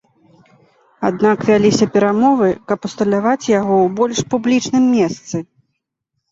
Аднак вяліся перамовы, каб усталяваць яго ў больш публічным месцы.